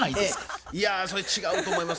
いやそれ違うと思います。